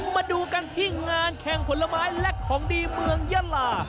มาดูกันที่งานแข่งผลไม้และของดีเมืองยาลา